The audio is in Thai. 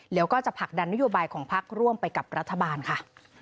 แล้วก็จะผลักดันนโยบายของพักร่วมไปกับรัฐบาลค่ะ